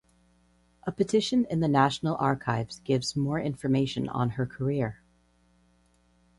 A petition in The National Archives gives more information on her career.